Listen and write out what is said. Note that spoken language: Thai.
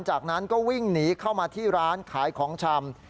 จากนั้นก็วิ่งหนีเข้ามาที่ร้านขายของชำ